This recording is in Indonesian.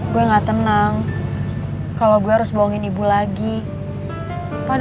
duri sahamnya di tujuan ibu kan wind